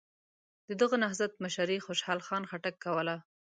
د دغه نهضت مشري خوشحال خان خټک کوله.